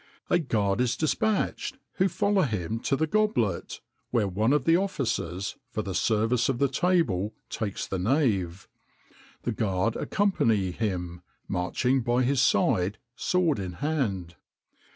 a guard is dispatched, who follow him to the goblet, where one of the officers for the service of the table takes the nave. The guard accompany him, marching by his side, sword in hand.